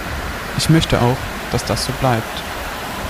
Ich möchte auch, dass das so bleibt.